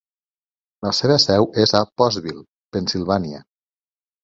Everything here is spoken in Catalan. La seva seu és a Pottsville, Pennsilvània.